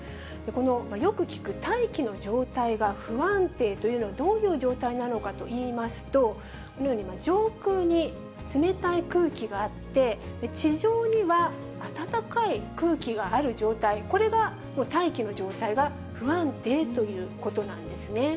このよく聞く大気の状態が不安定というのはどういう状態なのかといいますと、このように上空に冷たい空気があって、地上には暖かい空気がある状態、これが大気の状態が不安定ということなんですね。